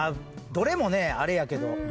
どれもねあれやけど。